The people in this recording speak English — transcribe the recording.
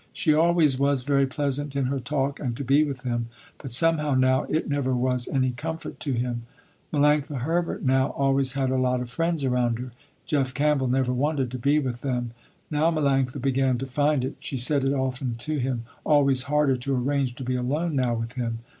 She always was very pleasant in her talk and to be with him, but somehow now it never was any comfort to him. Melanctha Herbert now always had a lot of friends around her. Jeff Campbell never wanted to be with them. Now Melanctha began to find it, she said it often to him, always harder to arrange to be alone now with him.